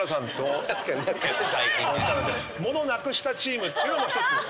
物なくしたチームっていうのも１つ。